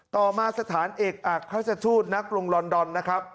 ต่อมาสถานเอกอักราชทูตนักกรุงลอนดอนนะครับ